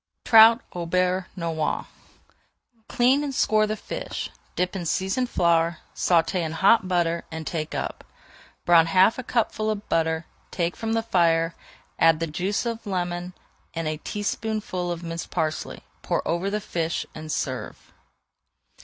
TROUT AU BEURRE NOIR Clean and score the fish, dip in seasoned flour, sauté in hot butter, and take up. Brown half a cupful of butter, take from the fire, add the juice of a lemon and a teaspoonful of minced parsley, pour over the fish, and serve.